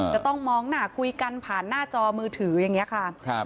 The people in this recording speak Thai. จะต้องมองหน้าคุยกันผ่านหน้าจอมือถืออย่างนี้ค่ะ